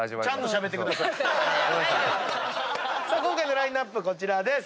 今回のラインアップこちらです。